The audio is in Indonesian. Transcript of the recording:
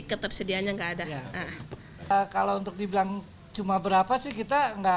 ketersediaannya enggak ada kalau untuk dibilang cuma berapa sih kita enggak